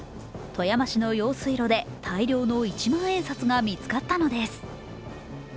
富山市の用水路で大量の一万円札が見つかったのです。